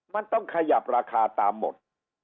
มันต้องขยับราคาตามหมด